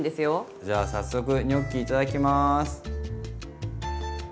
じゃあ早速ニョッキいただきます。